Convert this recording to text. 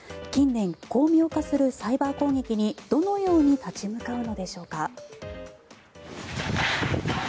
近年、巧妙化するサイバー攻撃にどのように立ち向かうのでしょうか。